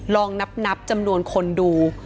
ลองนับจำนวนคนดู